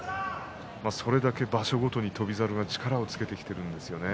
それだけ場所ごとに翔猿が力をつけているんですね。